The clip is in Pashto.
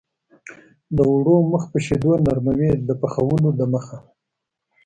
د اوړو مخ په شیدو نرموي د پخولو دمخه.